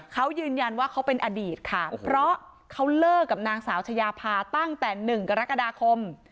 เขายืนยันว่าเขาเป็นอดีตค่ะเพราะเขาเลิกกับนางสาวชายาพาตั้งแต่๑กรกฎาคม